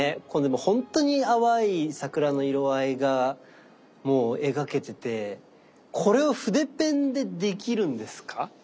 これでもほんとに淡い桜の色合いがもう描けててこれを筆ペンでできるんですか？